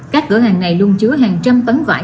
các cửa hàng này luôn chứa hàng trăm tấn vải